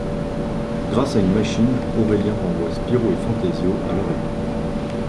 Grâce à une machine, Aurélien renvoie Spirou et Fantasio à leur époque.